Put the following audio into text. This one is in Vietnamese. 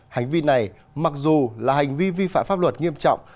hành vi này mặc dù là hành vi vi phạm pháp luật nghiêm trọng